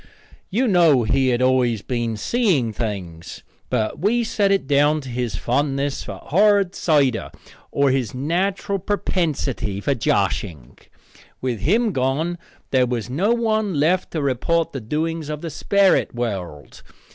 You know he had always been seeing things, but we set it down to his fondness for hard cider or his natural prepensity for joshing. With him gone there was no one left to report the doings of the sperrit world.